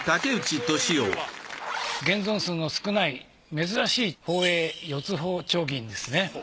現存数の少ない珍しい宝永四ツ宝丁銀ですね。